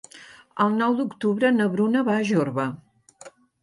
El nou d'octubre na Bruna va a Jorba.